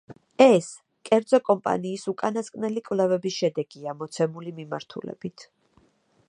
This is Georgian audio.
ეს, კერძო კომპანიის უკანასკნელი კვლევების შედეგია მოცემული მიმართულებით.